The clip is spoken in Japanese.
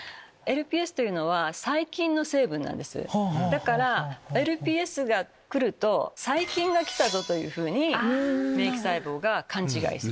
だからＬＰＳがくると細菌がきたぞ！というふうに免疫細胞が勘違いする。